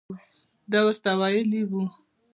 ده ورته ویلي وو.